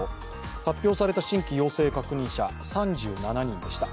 発表された新規陽性確認者、３７人でした。